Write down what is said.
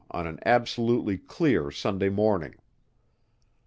on an absolutely clear Sunday morning.